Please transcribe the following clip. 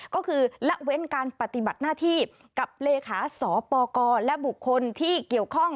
ก็คือละเว้นการปฏิบัติหน้าที่กับเลขาสปกและบุคคลที่เกี่ยวข้อง